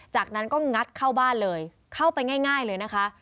จากนั้นก็งัดเข้าบ้านเลยเข้าไปง่ายเลยนะคะ